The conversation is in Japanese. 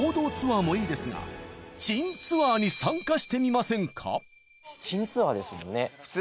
実はもいいですが珍ツアーに参加してみませんか？